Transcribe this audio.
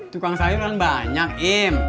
tukang sayur kan banyak im